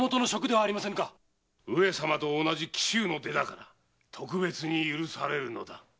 上様と同じ紀州の出だから特別に許されるのだ。